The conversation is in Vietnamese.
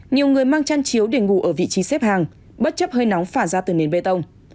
nhiều người mang chăn chiếu để ngủ ở vị trí xếp hàng bất chấp hơi nóng phả ra từ nền bê tông